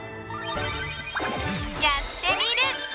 「やってみる。」